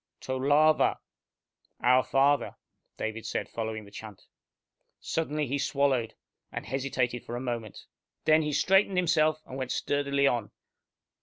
"Tolava our father," David said, following the chant. Suddenly he swallowed, and hesitated for a moment. Then he straightened himself, and went sturdily on.